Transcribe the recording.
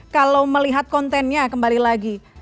kalau melihat kontennya kembali lagi